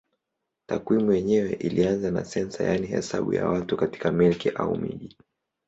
Takwimu yenyewe ilianza na sensa yaani hesabu ya watu katika milki au mji.